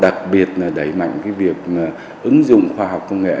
đặc biệt đẩy mạnh việc ứng dụng khoa học công nghệ